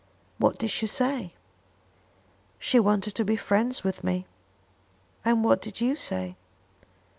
"What did she say?" "She wanted to be friends with me." "And what did you say?"